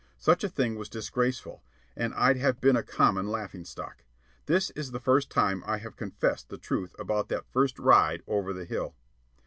Such a thing was disgraceful, and I'd have been a common laughing stock. This is the first time I have confessed the truth about that first ride over the hill.